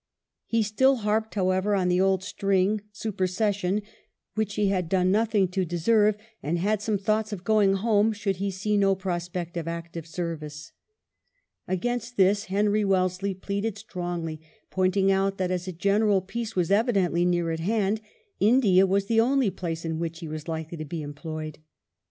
'' He still harped, however, on the old string, supersession, which he had done nothing to deserve, and had some thoughts of going home, should he see no prospect of active service. Against this Henry Wellesley pleaded strongly, pointing out that as a general peace was evidently near at hand, India was the only place in which he was likely to be employed.